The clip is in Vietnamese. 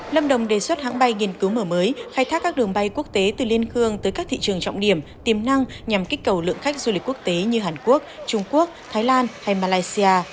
lâm đồng đề xuất hãng bay nghiên cứu mở mới khai thác các đường bay quốc tế từ liên khương tới các thị trường trọng điểm tiềm năng nhằm kích cầu lượng khách du lịch quốc tế như hàn quốc trung quốc thái lan hay malaysia